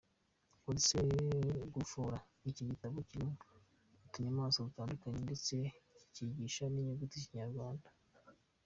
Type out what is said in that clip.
Uretse gufora, iki ni igitabo kirimo utunyamaswa dutandukanye, ndetse kikigisha n’inyuguti z’ikinyarwanda.